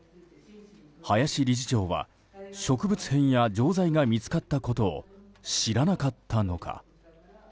林理事長は植物片や錠剤が見つかったことを知らなかったのか。